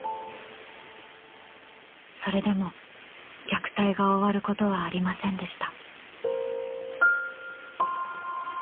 それでも虐待が終わることはありませんでした。